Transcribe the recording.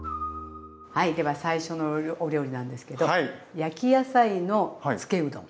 では最初のお料理なんですけど焼き野菜のつけうどん。